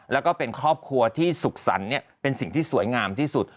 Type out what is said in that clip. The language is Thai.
แล้วก็เป็นครอบครัวที่สุขสรรค์เป็นสิ่งที่สวยงามที่สุด